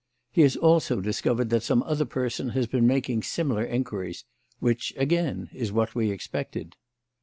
He has also discovered that some other person has been making similar inquiries; which, again, is what we expected."